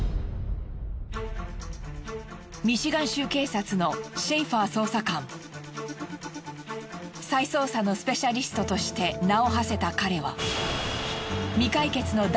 ミシガン州警察の再捜査のスペシャリストとして名をはせた彼は。